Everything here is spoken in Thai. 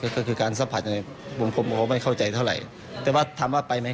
ก็คือการสะพัดไงผมไม่เข้าใจเท่าไหร่แต่ว่าถามว่าไปไหม